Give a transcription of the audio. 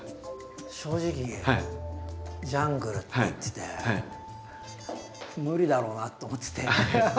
正直ジャングルって言ってて無理だろうなと思ってて。